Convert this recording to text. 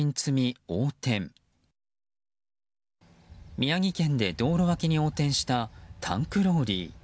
宮城県で道路脇に横転したタンクローリー。